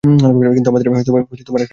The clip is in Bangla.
কিন্তু আমাদের একটা বোঝাপড়া ছিল।